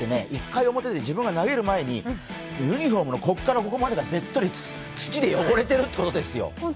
１回表で自分が投げる前にユニフォームのここからここまでべっとり土で汚れているっていうことですよ。